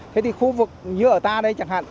thế thì khu vực như ở ta đây chẳng hạn